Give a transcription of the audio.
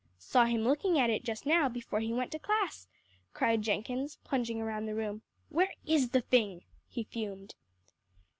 "Saw him looking at it just now, before he went to class," cried Jenkins, plunging around the room. "Where is the thing?" he fumed.